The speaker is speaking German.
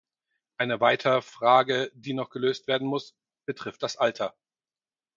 Eine weiter Frage, die noch gelöst werden muss, betrifft das Alter.